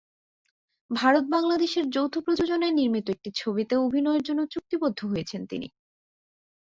ভারত-বাংলাদেশের যৌথ প্রযোজনায় নির্মিত একটি ছবিতেও অভিনয়ের জন্য চুক্তিবদ্ধ হয়েছেন তিনি।